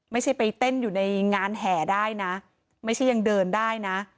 ไม่ใช่ไปเต้นอยู่ในงานแห่ได้นะไม่ใช่ยังเดินได้นะ